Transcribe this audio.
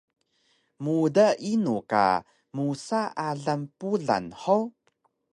Muda inu ka musa alang Pulan hug?